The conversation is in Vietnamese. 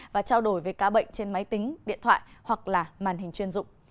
và trao đổi về cá bệnh trên máy tính điện thoại hoặc là màn hình chuyên dụng